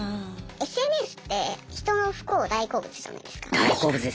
ＳＮＳって人の不幸大好物じゃないですか。